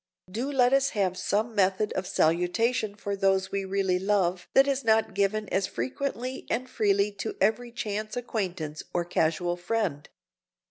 Do let us have some method of salutation for those we really love that is not given as frequently and freely to every chance acquaintance or casual friend!